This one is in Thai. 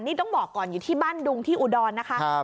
นี่ต้องบอกก่อนอยู่ที่บ้านดุงที่อุดรนะคะ